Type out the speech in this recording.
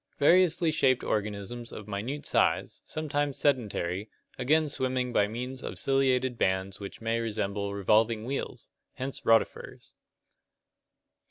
Variously shaped organisms of minute size, some times sedentary, again swimming by means of ciliated bands which may resemble revolving wheels, hence rotifers (Lat.